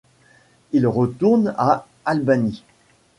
Ils retournent à Albany.